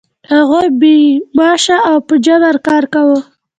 هغوی به بې معاشه او په جبر کار کاوه.